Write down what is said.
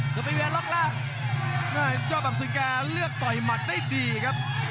ซุปเปอร์เบียร์ล็อกล่างยอบอับสืบแกเลือกต่อยหมัดได้ดีครับ